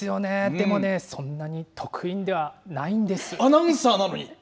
でもね、そんなに得意ではないんアナウンサーなのに？